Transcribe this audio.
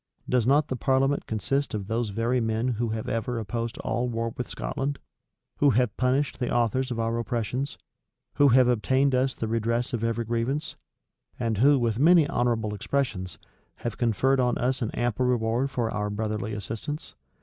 Does not the parliament consist of those very men who have ever opposed all war with Scotland, who have punished the authors of our oppressions, who have obtained us the redress of every grievance, and who, with many honorable expressions, have conferred on us an ample reward for our brotherly assistance?